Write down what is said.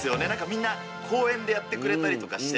みんな公園でやってくれたりとかして。